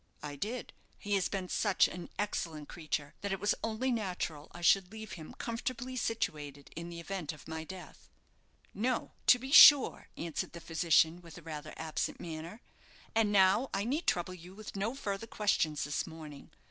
"I did. He has been such an excellent creature, that it was only natural I should leave him comfortably situated in the event of my death." "No; to be sure," answered the physician, with rather an absent manner. "And now I need trouble you with no further questions this morning.